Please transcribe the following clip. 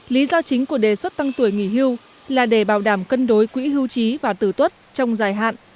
lý do chính của đề xuất tăng tuổi nghỉ hưu là để bảo đảm cân đối quỹ hưu trí và tử tuất trong dài hạn